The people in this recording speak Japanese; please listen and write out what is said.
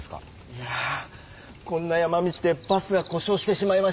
いやこんな山道でバスがこしょうしてしまいまして。